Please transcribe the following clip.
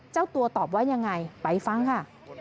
เจ้าตัวตอบว่ายังไงไปฟังค่ะ